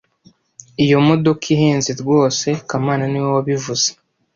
Iyo modoka ihenze rwose kamana niwe wabivuze